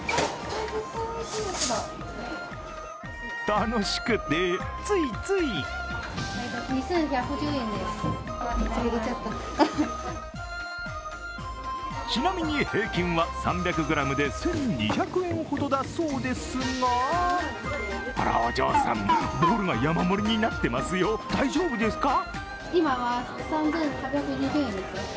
楽しくて、ついついちなみに平均は３００ｇで１２００円ほどだそうですが、あらっ、お嬢さん、ボウルが山盛りになっていますよ、大丈夫ですか。